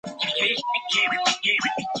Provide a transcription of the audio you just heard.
与藏文转写不同。